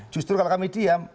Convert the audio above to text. justru kalau kami diam